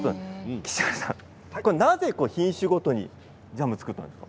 岸原さん、これはなぜ品種ごとにジャムを作ったんですか？